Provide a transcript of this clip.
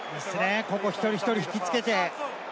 ここ一人一人、引き付けて。